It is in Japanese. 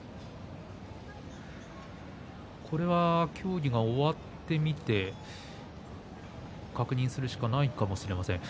これは協議が終わってみて確認するしかないかもしれませんね。